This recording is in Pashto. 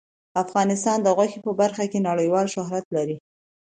افغانستان د غوښې په برخه کې نړیوال شهرت لري.